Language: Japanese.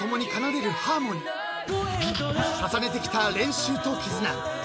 ［重ねてきた練習と絆］